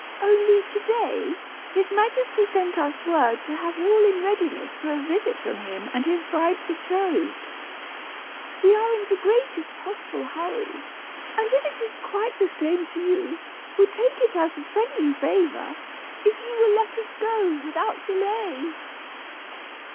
Only to day, his majesty sent us word to have all in readiness for a visit from him and his bride betrothed. We are in the greatest possible hurry, and if it is quite the same to you, would take it as a friendly favor, if you will let us go without delay."